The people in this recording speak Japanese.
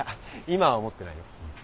今は思ってないよ。